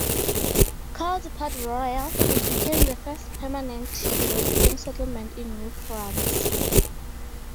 Called Port-Royal, it became the first permanent European settlement in New France.